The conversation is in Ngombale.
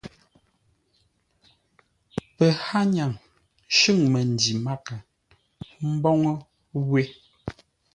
Pəhányaŋ shʉ̂ŋ məndǐ mághʼə mboŋə́ wé.